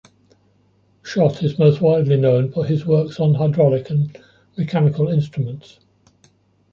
Schott is most widely known for his works on hydraulic and mechanical instruments.